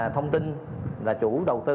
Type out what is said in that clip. thông tin là chủ đầu tư